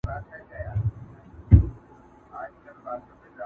نن به یې ستره او سنګینه تنه،